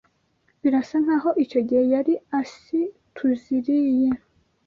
Birasa nkaho icyo gihe yari asiTUZIriye.